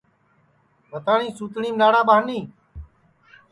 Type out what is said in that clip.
بھتاٹؔی سوتٹؔیم ناڑا ٻانی